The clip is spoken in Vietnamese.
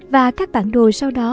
và các bản đồ sau đó